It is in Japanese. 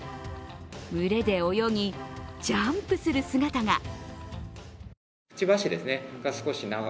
群れで泳ぎ、ジャンプする姿が。